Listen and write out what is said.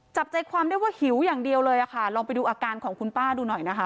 จับใจความได้ว่าหิวอย่างเดียวเลยอะค่ะลองไปดูอาการของคุณป้าดูหน่อยนะคะ